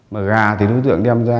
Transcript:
mà gà thì đối tượng đem ra